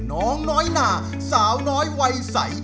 น้องน้อยนาสาวน้อยวัยใส